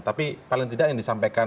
tapi paling tidak yang disampaikan